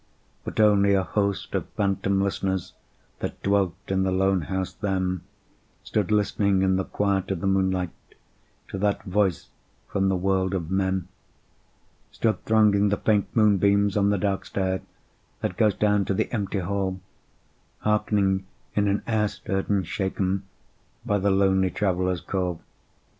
But only a host of phantom listeners That dwelt in the lone house then Stood listening in the quiet of the moonlight To that voice from the world of men: Stood thronging the faint moonbeams on the dark stair, That goes down to the empty hall, Hearkening in an air stirred and shaken By the lonely Traveller's call.